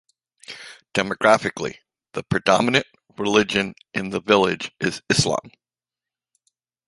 Demographically, the predominant religion in the village is Islam.